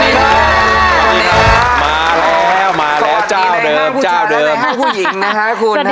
มาแล้วมาแล้วเจ้าเดิมเจ้าเดิมสวัสดีมากคุณชาวแล้วมาให้ผู้หญิงนะฮะคุณฮะ